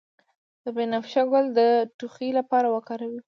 د بنفشه ګل د ټوخي لپاره وکاروئ